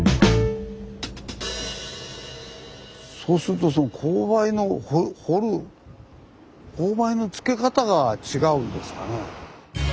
そうするとその勾配の掘る勾配のつけ方が違うんですかね。